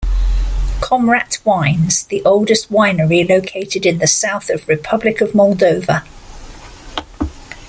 Comrat Wines - the oldest winery located in the south of Republic of Moldova.